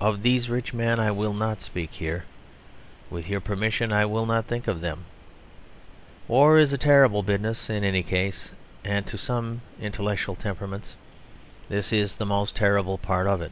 Of these rich men I will not speak here; with your permission, I will not think of them. War is a terrible business in any case; and to some intellectual temperaments this is the most terrible part of it.